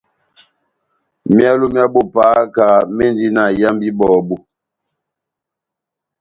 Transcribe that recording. Myálo mya bo pahaka mendi na iyambi ibɔbu.